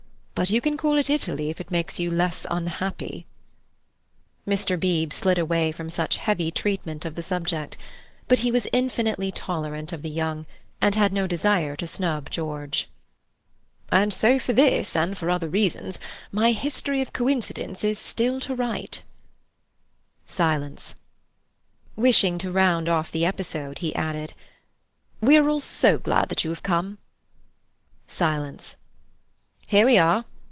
"But you can call it Italy if it makes you less unhappy." Mr. Beebe slid away from such heavy treatment of the subject. But he was infinitely tolerant of the young, and had no desire to snub George. "And so for this and for other reasons my 'History of Coincidence' is still to write." Silence. Wishing to round off the episode, he added; "We are all so glad that you have come." Silence. "Here we are!"